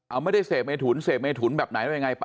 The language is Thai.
เอาไม่ได้เสพเมถุนเสพเมถุนแบบไหนแล้วยังไง